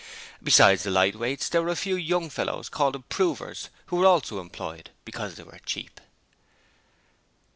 Besides the lightweights there were a few young fellows called improvers, who were also employed because they were cheap.